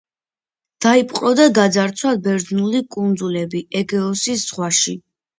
დაიპყრო და გაძარცვა ბერძნული კუნძულები ეგეოსის ზღვაში.